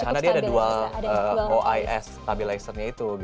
karena dia ada dual ois stabilizer nya itu